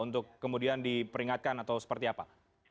untuk kemudian diperingatkan atau seperti apa